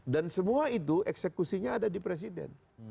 dan semua itu eksekusinya ada di presiden